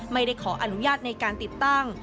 ไม่ได้ขออนุญาตในการติดตั้ง